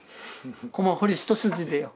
駒彫り一筋でよ。